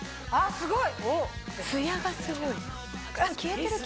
すごい！